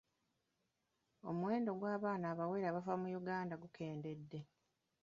Omuwendo gw'abaana abawere abafa mu Uganda gukendedde.